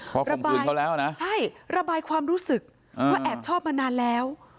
พอข่มขืนเขาแล้วนะใช่ระบายความรู้สึกว่าแอบชอบมานานแล้ว